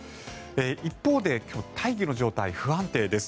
一方で今日、大気の状態不安定です。